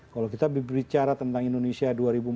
kalau kita bicara tentang indonesia dua ribu empat puluh